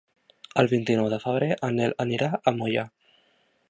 El vint-i-nou de febrer en Nel anirà a Moià.